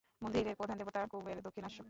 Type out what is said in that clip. মন্দিরের প্রধান দেবতা কুবের দক্ষিণাস্য।